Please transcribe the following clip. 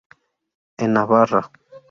En Navarra.